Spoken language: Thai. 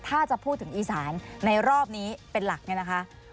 ถ้าจะพูดถึงอีสานในรอบนี้เป็นหลักเนี่ยนะคะ